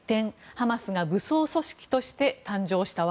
ハマスが武装組織として誕生した訳。